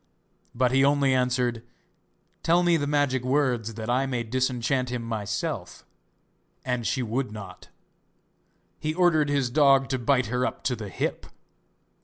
But he only answered: 'Tell me the magic words that I may disenchant him myself;' and as she would not, he ordered his dog to bite her up to the hip.